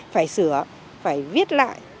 phải sửa phải viết lại